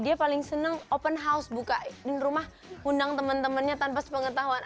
dia paling seneng open house buka rumah undang temen temennya tanpa sepengetahuan